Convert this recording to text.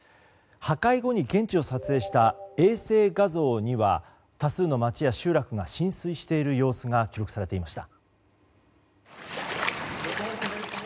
破壊後に現地を撮影した衛星画像には多数の町や集落が浸水している様子が記録されていました。